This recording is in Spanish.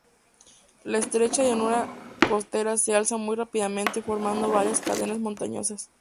La estrecha llanura costera se alza muy rápidamente formando varias cadenas montañosas.